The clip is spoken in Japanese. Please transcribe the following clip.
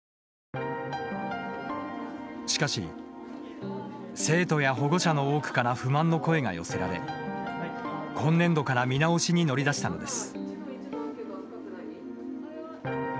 しかし生徒や保護者の多くから不満の声が寄せられ今年度から見直しに乗り出したのです。